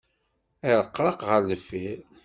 Irreqraq ɣer deffir.